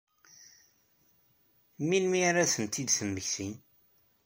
Melmi ara ad tent-id-temmekti?